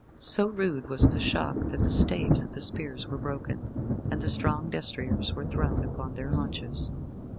So rude was the shock that the staves of the spears were broken, and the strong destriers were thrown upon their haunches.